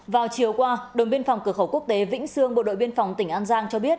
vào chiều qua đồn biên phòng cửa khẩu quốc tế vĩnh sương bộ đội biên phòng tỉnh an giang cho biết